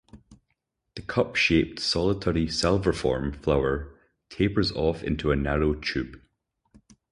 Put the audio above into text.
The cup-shaped, solitary, salverform flower tapers off into a narrow tube.